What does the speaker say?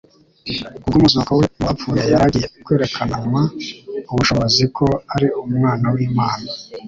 Kubw'umuzuko we mu bapfuye yari agiye «kwerekananwa ubushobozi ko ari Umwana w'Imana.»